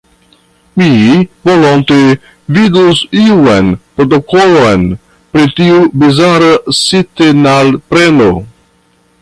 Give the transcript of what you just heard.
Mi volonte vidus iun protokolon pri tiu bizara sintenalpreno.